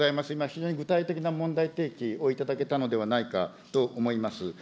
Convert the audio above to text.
非常に具体的な問題提起をいただけたのではないかと思います。